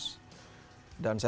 dan saya udah mencari